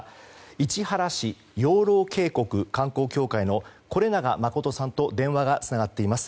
市原市養老渓谷観光協会の是永洵さんと電話がつながっています。